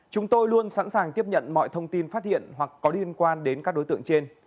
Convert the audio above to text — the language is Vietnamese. chúng tôi luôn sẵn sàng tiếp nhận mọi thông tin phát hiện hoặc có liên quan đến các đối tượng trên